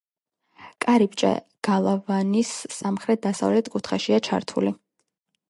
კარიბჭე გალავნის სამხრეთ-დასავლეთ კუთხეშია ჩართული.